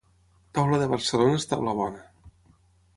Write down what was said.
Taula de Barcelona és taula bona.